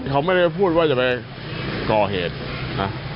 เขาไม่ได้พูดว่าจะไปก่อเหตุนะ